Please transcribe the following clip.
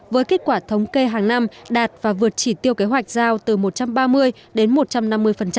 với kết quả thống kê hàng năm đạt và vượt chỉ tiêu kế hoạch giao từ một trăm ba mươi đến một trăm năm mươi